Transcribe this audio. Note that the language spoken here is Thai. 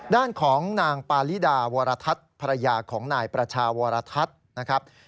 ด้านของนางปาลิดาวรทัศน์ภรรยาของนายประชาวรทัศน์นะครับ